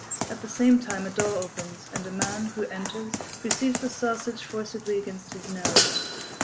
At the same time a door opens, and a man who enters receives the sausage forcibly against his nose.